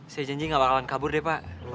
saya janji gak bakalan kabur deh pak